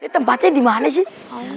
tempatnya dimana sih